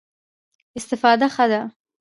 استفاده ښه ده.